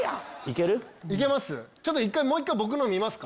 行けます？